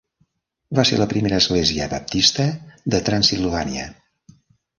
Va ser la primera església baptista de Transilvània.